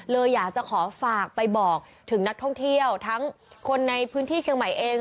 เลยอยากจะขอฝากไปบอกถึงนักท่องเที่ยวทั้งคนในพื้นที่เชียงใหม่เอง